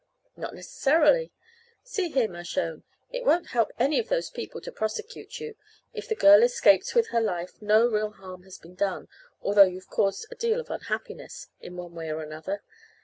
"Not necessarily. See here, Mershone, it won't help any of those people to prosecute you. If the girl escapes with her life no real harm has been done, although you've caused a deal of unhappiness, in one way or another.